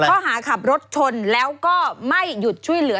ข้อหาขับรถชนแล้วก็ไม่หยุดช่วยเหลือ